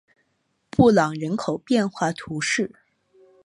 布朗日人口变化图示